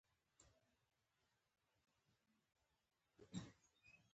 ما ورته وویل دا ستاسو پیرزوینه وه چې موږ ته مو بلنه راکړله.